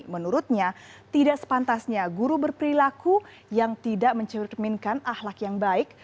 menurutnya tidak sepantasnya guru berperilaku yang tidak mencerminkan ahlak yang baik